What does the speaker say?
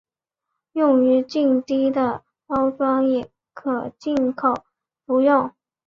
用于静滴的包装也可经口服用。